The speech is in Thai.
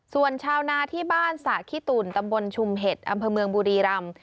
ส่วนชาวนาที่บ้านสระขี้ตุ่นตำบลชุมเห็ดอำเภอเมืองบุรีรำ